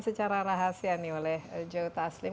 secara rahasia nih oleh joe taslim